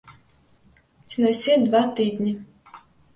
Ці на ўсе два тыдні.